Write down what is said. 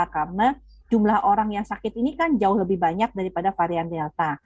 karena jumlah orang yang sakit ini kan jauh lebih banyak daripada varian delta